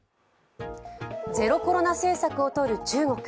ゼロコロナ政策をとる中国。